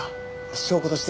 証拠として。